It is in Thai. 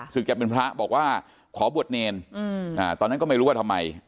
จะเป็นพระบอกว่าขอบวชเนรตอนนั้นก็ไม่รู้ว่าทำไม